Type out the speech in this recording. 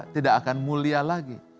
tidak akan mulia lagi